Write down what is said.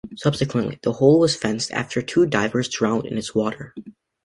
Subsequently, the Hole was fenced after two divers drowned in its water.